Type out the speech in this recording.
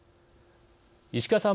石川さん